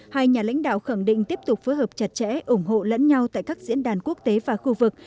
hai nhà lãnh đạo khẳng định tiếp tục phối hợp chặt chẽ ủng hộ lẫn nhau tại các diễn đàn quốc tế và khu vực